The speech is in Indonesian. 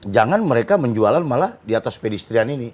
jangan mereka menjualan malah di atas pedestrian ini